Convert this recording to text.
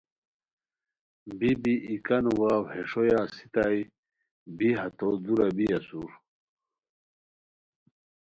بی بی ای کانو واؤ ہے ݰویا اسیتائے بی ہتو دورا بی اسور